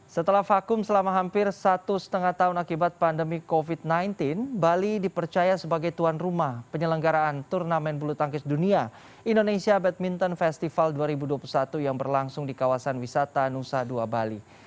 setelah vakum selama hampir satu setengah tahun akibat pandemi covid sembilan belas bali dipercaya sebagai tuan rumah penyelenggaraan turnamen bulu tangkis dunia indonesia badminton festival dua ribu dua puluh satu yang berlangsung di kawasan wisata nusa dua bali